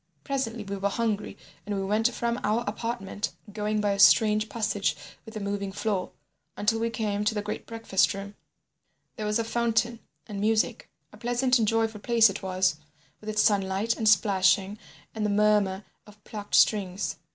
"Presently we were hungry and we went from our apartment, going by a strange passage with a moving floor, until we came to the great breakfast room—there was a fountain and music. A pleasant and joyful place it was, with its sunlight and splashing, and the murmur of plucked strings.